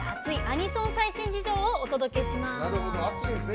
アニソン最新事情」をお届けします。